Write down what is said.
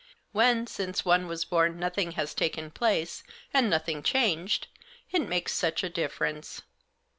When, since one was born, nothing has taken place, and nothing changed, it makes such a difference.